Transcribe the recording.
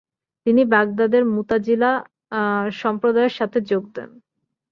তিনি বাগদাদের মুতাযিলা সম্প্রদায়ের সাথে যোগ দেন।